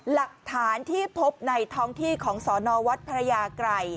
หลักฐานที่พบในท้องที่ของสนวัดพระยาไกร